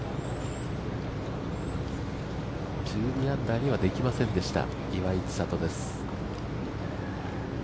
１２アンダーにはできませんでした岩井千怜です。